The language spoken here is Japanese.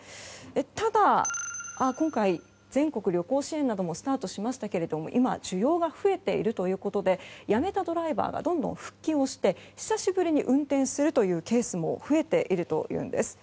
ただ今回、全国旅行支援などもスタートしましたけれども今、需要が増えているということで辞めたドライバーがどんどん復帰をして久しぶりに運転するというケースも増えているというんです。